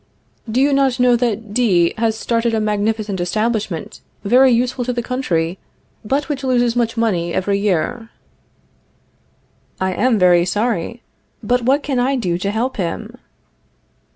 Do you not know that D has started a magnificent establishment very useful to the country, but which loses much money every year? I am very sorry. But what can I do to help him?